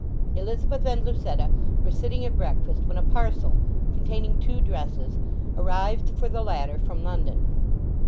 Elizabeth and Lucetta were sitting at breakfast when a parcel containing two dresses arrived for the latter from London.